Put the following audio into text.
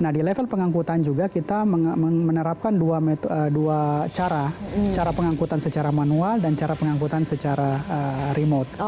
nah di level pengangkutan juga kita menerapkan dua cara pengangkutan secara manual dan cara pengangkutan secara remote